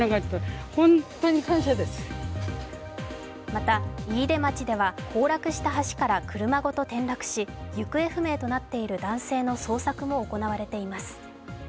また飯豊町では、崩落した橋から車ごと転落し、行方不明となっている男性の捜索も行われています。